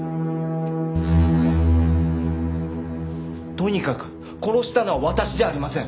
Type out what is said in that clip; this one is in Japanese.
とにかく殺したのは私じゃありません。